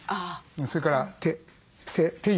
それから手。